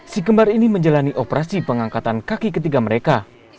si kembar ini menjalani operasi pengangkatan kaki ketiga mereka